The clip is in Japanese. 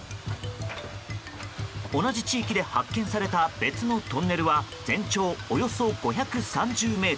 同じ地域で発見された別のトンネルは全長およそ５３０ｍ。